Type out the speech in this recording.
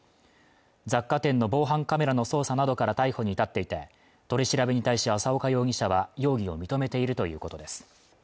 雑貨店の防犯カメラの捜査などから逮捕に至っていて取り調べに対し浅岡容疑者は容疑を認めているということです